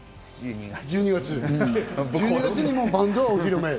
１２月にもうバンドはお披露目。